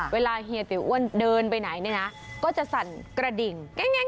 เฮียติอ้วนเดินไปไหนเนี่ยนะก็จะสั่นกระดิ่ง